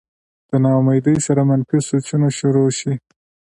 د نا امېدۍ سره منفي سوچونه شورو شي